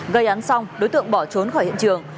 gây án xong đối tượng bỏ trốn khỏi hiện trường